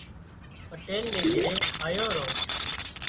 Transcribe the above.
پٽيل نِي گھري آيو رو